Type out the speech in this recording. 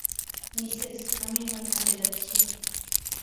Mrs, আমি আমার কাজে যাচ্ছি।